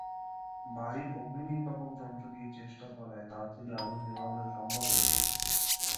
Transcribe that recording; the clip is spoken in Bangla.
বাড়ির অগ্নিনির্বাপক যন্ত্র দিয়ে চেষ্টা করায় তাড়াতাড়ি আগুন নেভানো সম্ভব হয়েছে।